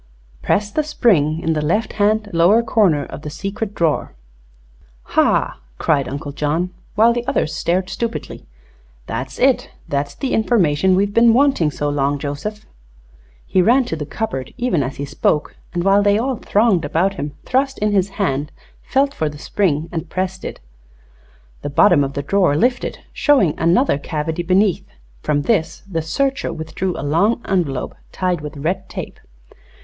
"'Press the spring in the left hand lower corner of the secret drawer.'" "Hah!" cried Uncle John, while the others stared stupidly. "That's it! That's the information we've been wanting so long, Joseph!" He ran to the cupboard, even as he spoke, and while they all thronged about him thrust in his hand, felt for the spring, and pressed it. The bottom of the drawer lifted, showing another cavity beneath. From this the searcher withdrew a long envelope, tied with red tape.